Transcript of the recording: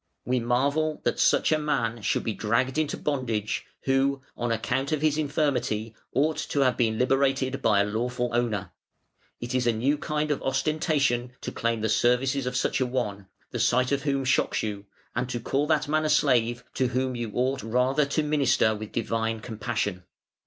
We marvel that such a man should be dragged into bondage who (on account of his infirmity) ought to have been liberated by a lawful owner. It is a new kind of ostentation to claim the services of such an one, the sight of whom shocks you, and to call that man a slave, to whom you ought rather to minister with divine compassion.